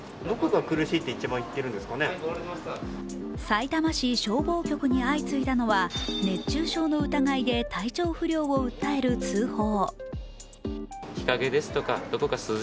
さいたま市消防局に相次いだのは熱中症の疑いで体調不良を訴える通報。